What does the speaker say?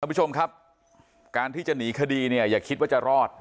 ผู้ชมครับการที่จะหนีคดีเนี่ยอย่าคิดว่าจะรอด